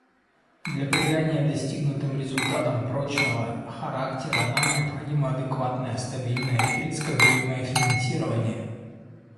Для придания достигнутым результатам прочного характера нам необходимо адекватное, стабильное и предсказуемое финансирование.